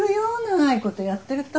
長いことやってると。